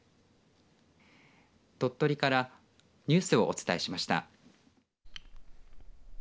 鳥取からニュースをお伝えしました。